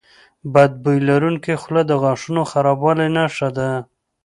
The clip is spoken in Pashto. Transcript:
بد بوی لرونکي خوله د غاښونو خرابوالي نښه ده.